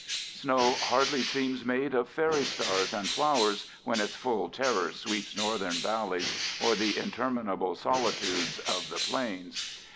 Snow hardly seems made of fairy stars and flowers when its full terror sweeps Northern valleys or the interminable solitudes of the plains.